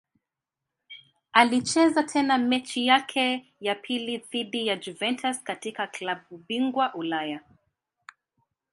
Alicheza tena mechi yake ya pili dhidi ya Juventus katika klabu bingwa Ulaya.